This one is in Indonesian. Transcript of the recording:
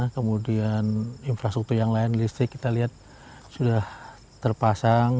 kemudian infrastruktur yang lain listrik kita lihat sudah terpasang